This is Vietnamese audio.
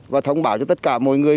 và thông báo cho tất cả mọi người